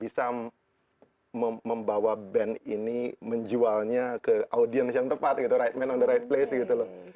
bisa membawa band ini menjualnya ke audiens yang tepat gitu right man on the right place gitu loh